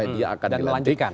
dia akan dilantik